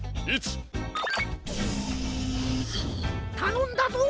たのんだぞ。